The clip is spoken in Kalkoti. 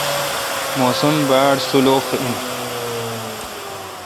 موسم باڑ سولوخ این۔